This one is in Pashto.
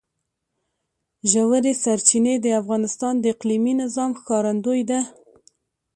ژورې سرچینې د افغانستان د اقلیمي نظام ښکارندوی ده.